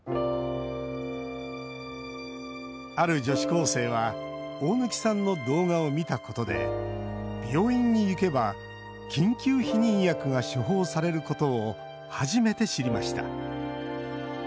ある女子高生は大貫さんの動画を見たことで病院に行けば緊急避妊薬が処方されることを初めて知りました。